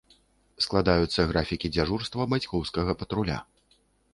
Складаюцца графікі дзяжурства бацькоўскага патруля.